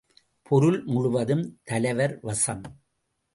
பொருள் முழுவதும் தலைவர் வசம்!